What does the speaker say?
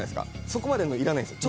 そこまでのいらないです。